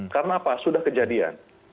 karena apa sudah kejadian